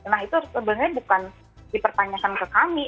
nah itu sebenarnya bukan dipertanyakan ke kami